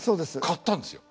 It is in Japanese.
買ったんですよ。